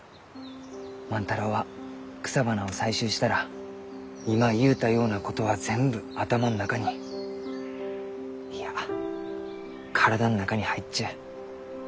万太郎は草花を採集したら今言うたようなことは全部頭の中にいや体の中に入っちゅう。